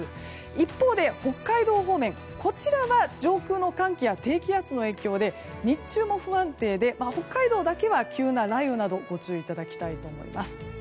一方で北海道方面こちらは上空の寒気や低気圧の影響で日中も不安定で北海道だけは急な雷雨などご注意いただきたいと思います。